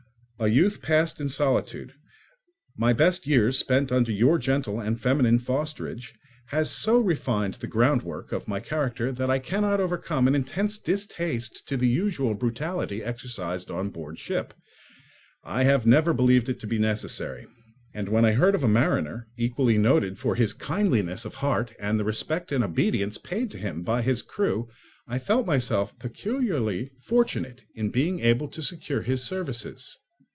A youth passed in solitude, my best years spent under your gentle and feminine fosterage, has so refined the groundwork of my character that I cannot overcome an intense distaste to the usual brutality exercised on board ship: I have never believed it to be necessary, and when I heard of a mariner equally noted for his kindliness of heart and the respect and obedience paid to him by his crew, I felt myself peculiarly fortunate in being able to secure his services.